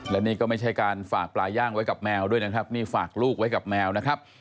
และนี่ก็ไม่ใช่การฝากปลาย่างไว้กับแมวด้วยนะครับนี่ฝากลูกไว้กับแมวนะครับ